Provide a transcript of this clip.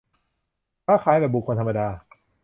ค้าขายแบบบุคคลธรรมดา